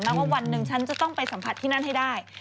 ว่าวันหนึ่งฉันจะต้องไปสัมผัสที่นั่นให้ได้